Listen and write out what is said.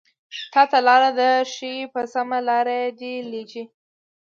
تاته لاره درښايې په سمه لاره دې ليږي